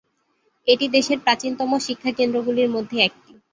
এটি দেশের প্রাচীনতম শিক্ষা কেন্দ্রগুলির মধ্যে একটি।